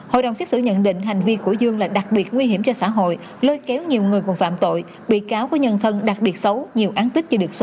hội đồng xét xử nhận định hành vi của dương là đặc biệt nguy hiểm cho xã hội lơi kéo nhiều người cùng phạm tội